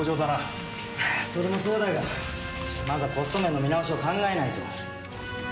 それもそうだがまずはコスト面の見直しを考えないと。